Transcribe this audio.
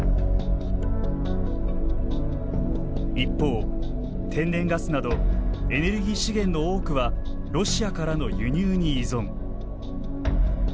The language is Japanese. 一方、天然ガスなどエネルギー資源の多くはロシアからの輸入に依存。